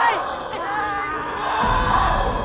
เฮ้ยรมมมม้วด